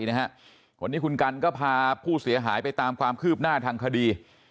วันนี้คุณกันก็พาผู้เสียหายไปตามความคืบหน้าทางคดี